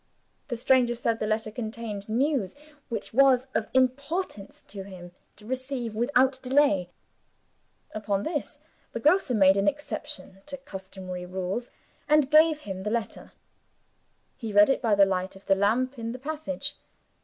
The stranger said the letter contained news, which it was of importance to him to receive without delay. Upon this, the grocer made an exception to customary rules and gave him the letter. He read it by the light of the lamp in the passage.